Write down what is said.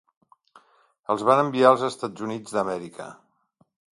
Els van enviar als Estat Units d'Amèrica.